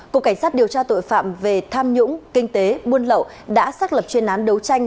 cục cảnh sát điều tra tội phạm về tham nhũng kinh tế buôn lậu đã xác lập chuyên án đấu tranh